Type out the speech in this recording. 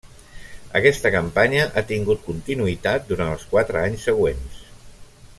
Aquesta campanya ha tingut continuïtat durant els quatre anys següents.